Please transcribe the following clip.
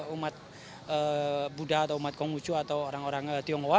umat buddha atau umat konghucu atau orang orang tionghoa